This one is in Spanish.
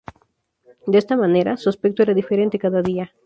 De esta manera, su aspecto era diferente cada día.